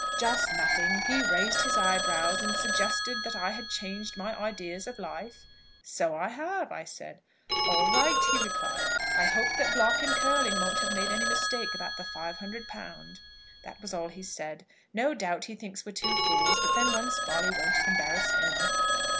"Just nothing. He raised his eyebrows, and suggested 'that I had changed my ideas of life.' 'So I have,' I said. 'All right!' he replied. 'I hope that Block and Curling won't have made any mistake about the £5000.' That was all he said. No doubt he thinks we're two fools; but then one's folly won't embarrass him."